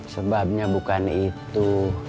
sebabnya bukan itu